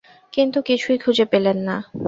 কিন্তু কিছুই খুঁজে পেলেন না।